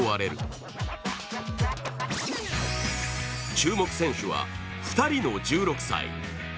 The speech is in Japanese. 注目選手は、２人の１６歳。